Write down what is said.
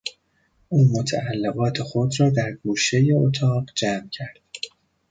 او متعلقات خود را در گوشهی اتاق جمع کرد.